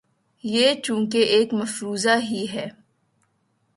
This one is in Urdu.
یہ چونکہ ایک مفروضہ ہی ہے۔